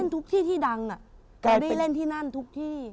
ทุกที่ที่ดังแกได้เล่นที่นั่นทุกที่